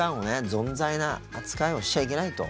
ぞんざいな扱いをしちゃいけないと。